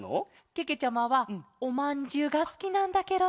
けけちゃまはおまんじゅうがすきなんだケロ。